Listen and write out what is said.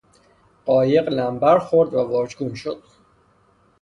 قایق لمبر خورد و واژگون شد.